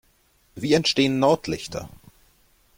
Wie entstehen Nordlichter?